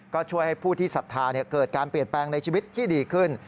ก็ช่วยให้ผู้ที่ศรัทธาเกิดการเปลี่ยนแปลงในชีวิตที่ดีขึ้น